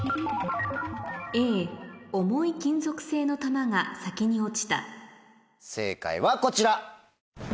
重い金属製の球が先に落ちた正解はこちら。